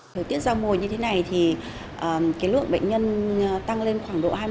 thời tiết giao mùi như thế này thì cái lượng bệnh nhân tăng lên khoảng độ hai mươi